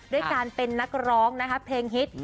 ด้วยการเป็นนักร้องนะคะเพลงฮิต